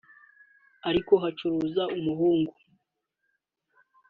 ariko hacuruza umuhungu